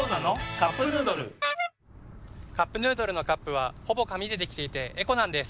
「カップヌードル」「カップヌードル」のカップはほぼ紙でできていてエコなんです。